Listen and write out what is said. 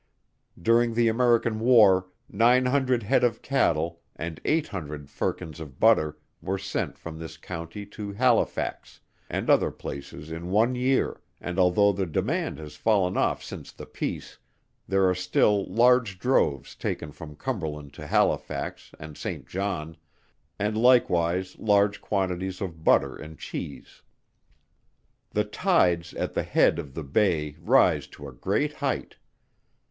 During the American war nine hundred head of cattle, and eight hundred firkins of butter, were sent from this county to Halifax, and other places in one year, and although the demand has fallen off since the peace, there are still large droves taken from Cumberland to Halifax, and St. John and likewise large quantities of butter and cheese. The tides at the head of the Bay rise to a great height.